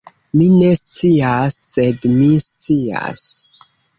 Mi ne scias sed mi scias